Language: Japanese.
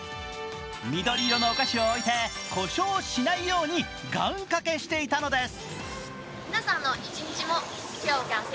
緑色のお菓子を置いて故障しないように願掛けしていたのです。